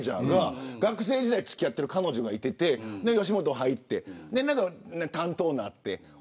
学生時代、付き合っていた彼女がいてて、吉本に入って担当になって。